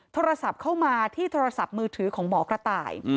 โทรศัพท์เข้ามาที่โทรศัพท์มือถือของหมอกระต่าย